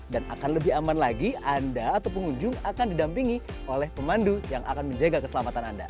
dan akan lebih aman lagi anda atau pengunjung akan didampingi oleh pemandu yang akan menjaga keselamatan anda